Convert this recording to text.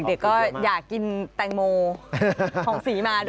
เด็กก็อยากกินแตงโมทองสีมาด้วย